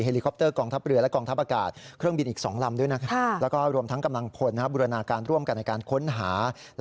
เฮลีคอปเตอร์กองทับเรือและกองทับอากาศ